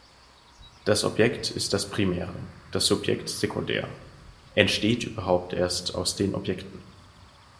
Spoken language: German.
Das Objekt ist das Primäre, das Subjekt sekundär, entsteht überhaupt erst aus den Objekten.